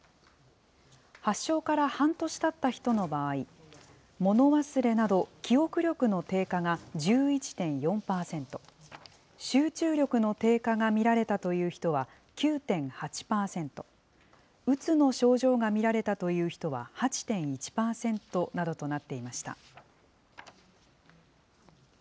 発症から半年たった人の場合、物忘れなど記憶力の低下が１１．４％、集中力の低下が見られたという人は９．８％、うつの症状が見られたという人は８．１％などとなっていました。